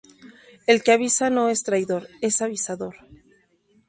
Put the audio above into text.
El que avisa no es traidor, es avisador